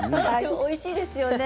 おいしいですよね。